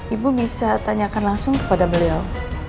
ibu bisa tanyakan langsung kepada beliau